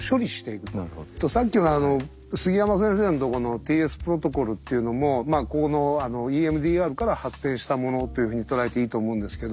さっきのあの杉山先生のとこのＴＳプロトコールっていうのもこのＥＭＤＲから発展したものというふうに捉えていいと思うんですけど。